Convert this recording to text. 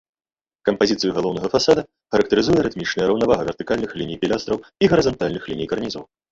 Кампазіцыю галоўнага фасада характарызуе рытмічная раўнавага вертыкальных ліній пілястраў і гарызантальных ліній карнізаў.